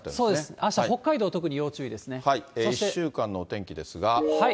あした北海道、１週間のお天気ですが。